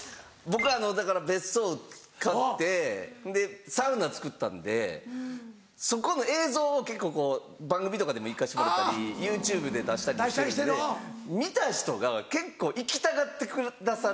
僕あのだから別荘買ってほんでサウナ作ったんでそこの映像を結構こう番組とかでもいかしてくれたりＹｏｕＴｕｂｅで出したりもしてるんで見た人が結構行きたがってくださるんですよ。